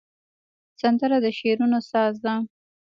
سندره د شعرونو ساز ده